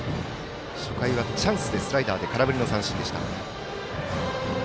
初回はチャンスでスライダーで空振りの三振でした。